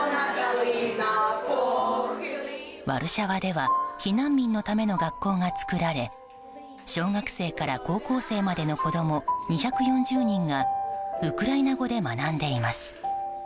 ワルシャワでは避難民のための学校が作られ小学生から高校生までの子供２４０人がウクライナ語で学んでいます。